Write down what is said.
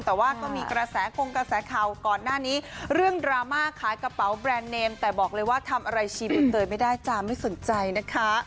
แต่ว่าก็มีกระแสกงกระแสข่าวก่อนหน้านี้เรื่องดราม่าขายกระเป๋าแบรนด์เนมแต่บอกเลยว่าทำอะไรชีใบเตยไม่ได้จ้าไม่สนใจนะคะ